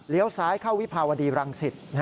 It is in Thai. เลี้ยวซ้ายเข้าวิภาวดีรังสิต